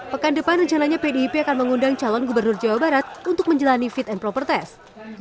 pekan depan rencananya pdip akan mengundang calon gubernur jawa barat untuk menjalani fit and proper test